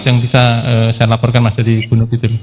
yang bisa saya laporkan mas dari gunung kitim